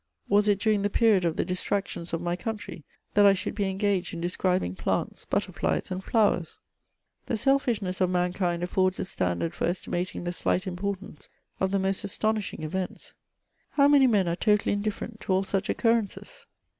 Was it during the period of the distrac tions of my country that I should be engaged in describing plants, butterflies, and flowers ? The sel6shness of mankind affords a standard for estimating the slight importance of the most astonishing events. How many men are totally indifferent to all such occurrences!